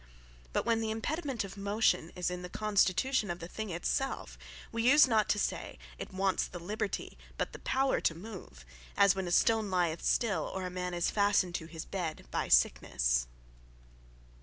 But when the impediment of motion, is in the constitution of the thing it selfe, we use not to say, it wants the Liberty; but the Power to move; as when a stone lyeth still, or a man is fastned to his bed by sicknesse.